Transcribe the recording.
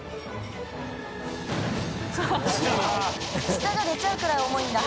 舌が出ちゃうくらい重いんだ。